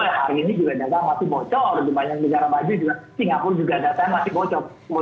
banyak negara maju juga singapura juga datanya masih bocor